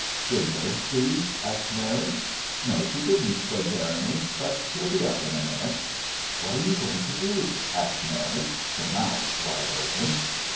"Did Nurse see?" asked Mary. "No, she didn't," said Jeremy; "but she'll be up in a minute." "What are you going to do?" asked Mary her mouth wide open.